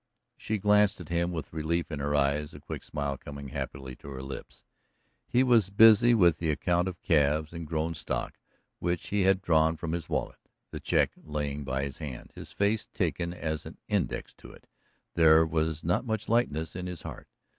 She glanced at him with relief in her eyes, a quick smile coming happily to her lips. He was busy with the account of calves and grown stock which he had drawn from his wallet, the check lying by his hand. His face taken as an index to it, there was not much lightness in his heart.